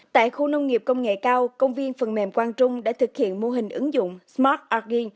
tại khu nông nghiệp công nghệ cao công viên phần mềm quang trung đã thực hiện mô hình ứng dụng smart argen